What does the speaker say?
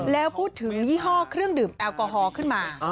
แล้วพูดถึงยี่ห้อเครื่องดื่มแอลกอฮอล์ขึ้นมา